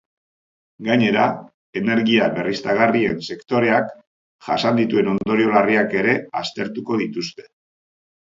Gainera, energia berriztagarrien sektoreak jasan dituen ondorio larriak ere aztertuko dituzte.